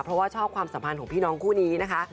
เพราะว่าชอบความสัมพันธ์ของพี่น้องคู่นี้นะคะ